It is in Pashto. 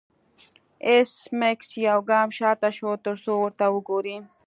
ایس میکس یو ګام شاته شو ترڅو ورته وګوري